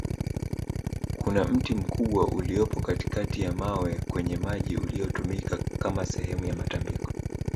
kuna mti mkubwa uliopo katikati ya mawe kwenye maji uliotumika Kama sehemu ya matambiko